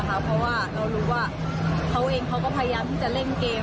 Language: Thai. เพราะว่าเรารู้ว่าเขาเองเขาก็พยายามที่จะเล่นเกม